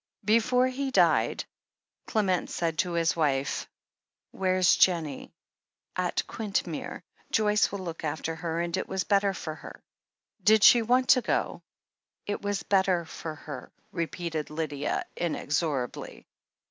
Before he died, Clement said to his wife: "Where's Jennie?" "At Quintmere. Joyce will look after her, and it was better for her." 'Did she want to go ?" It was better for her," repeated Lydia inexorably.